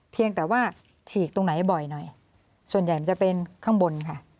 เพียงแต่ว่าฉีกตรงไหนบ่อยหน่อยส่วนใหญ่มันจะเป็นข้างบนค่ะ